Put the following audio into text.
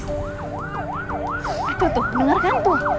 itu tuh bener kan tuh